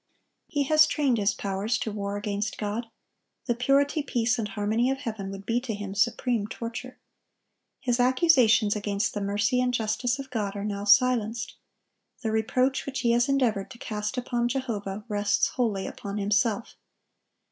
He has trained his powers to war against God: the purity, peace, and harmony of heaven would be to him supreme torture. His accusations against the mercy and justice of God are now silenced. The reproach which he has endeavored to cast upon Jehovah rests wholly upon himself.